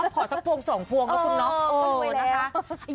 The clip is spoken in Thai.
คอเท่าพวงสองพวงแล้วคุณน๊อปล้นไว้แล้ว